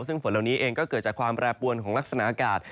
ซึ่งฝนเหล่านี้เองก็เกิดจากความแปรปวนของลักษณะอากาศ